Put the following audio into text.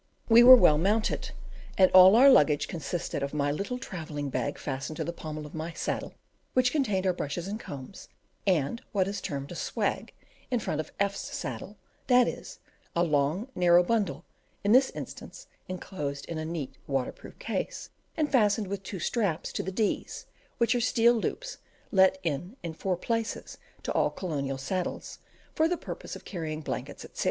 We were well mounted, and all our luggage consisted of my little travelling bag fastened to the pommel of my saddle, containing our brushes and combs, and what is termed a "swag" in front of F 's saddle; that is, a long narrow bundle, in this instance enclosed in a neat waterproof case, and fastened with two straps to the "D's," which are steel loops let in in four places to all colonial saddles, for the purpose of carrying blankets, etc.